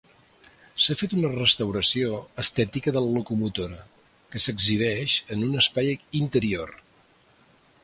S'ha fet una restauració estètica de la locomotora, que s'exhibeix en un espai interior.